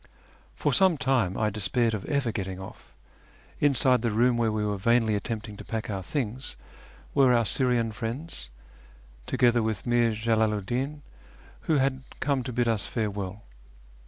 For some time I despaired of ever getting off. Inside the room, where we were vainly attempting to pack our things, were our Syrian friends, together witli Mir Jalalu 'd Din, who had come to bid us fare well.